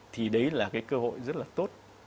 thì đấy là cái cơ hội rất là tốt